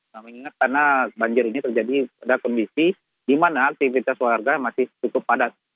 karena banjir ini terjadi pada kondisi di mana aktivitas warga masih cukup padat